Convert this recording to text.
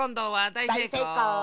だいせいこう！